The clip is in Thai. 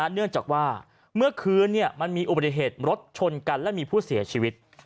เนื่องจากว่าเมื่อคืนมันมีอุบัติเหตุรถชนกันและมีผู้เสียชีวิต